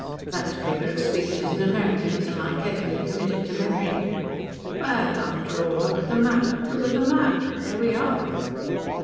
That figure of speech is an Americanism I carefully committed to memory. Well, after all, look at the map look at the map! There we are."